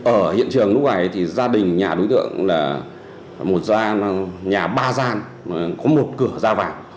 ở hiện trường lúc này thì gia đình nhà đối tượng là một gian nhà ba gian có một cửa ra vào